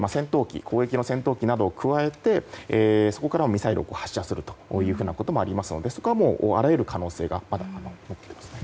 戦闘機などを加えてそこからミサイルを発射することもありますのでそこはあらゆる可能性があると思っています。